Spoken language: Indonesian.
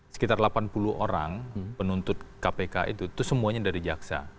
sekitar delapan puluh orang penuntut kpk itu itu semuanya dari jaksa